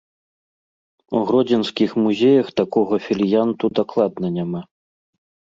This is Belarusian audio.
У гродзенскіх музеях такога фаліянту дакладна няма.